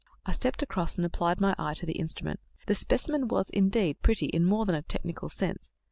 I stepped across, and applied my eye to the instrument. The specimen was, indeed, pretty in more than a technical sense.